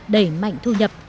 đẩy mạnh thu nhập